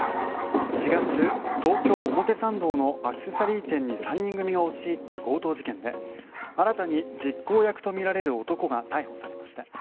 ４月、東京・表参道のアクセサリー店に３人組が押し入った強盗事件で新たに実行役とみられる男が逮捕されました。